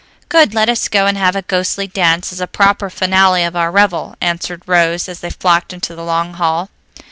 "Good, let us go and have a ghostly dance, as a proper finale of our revel," answered Rose as they flocked into the long hall.